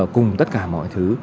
cùng tất cả mọi thứ